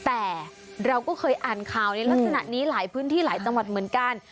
แต่เราก็เคยอ่านข่าวในลักษณะนี้หลายพื้นที่หลายจังหวัดเหมือนกัน